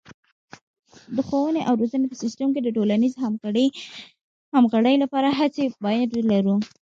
د ښوونې او روزنې په سیستم کې د ټولنیزې همغږۍ لپاره هڅې باید ولرو.